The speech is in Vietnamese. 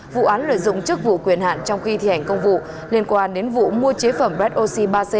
vụ án lợi dụng chức vụ quyền hạn trong khi thi hành công vụ liên quan đến vụ mua chế phẩm red oxy ba c